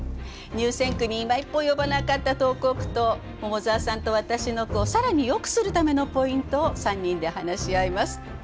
入選句にいま一歩及ばなかった投稿句と桃沢さんと私の句を更によくするためのポイントを３人で話し合います。